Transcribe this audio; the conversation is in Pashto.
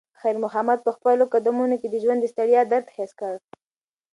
خیر محمد په خپلو قدمونو کې د ژوند د ستړیا درد حس کړ.